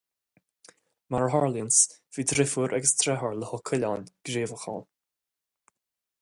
Mar a thárlaíonn, bhí deirfiúr agus deartháir le Ó Coileáin gníomhach ann.